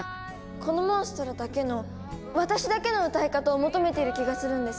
このモンストロだけの私だけの歌い方を求めている気がするんです。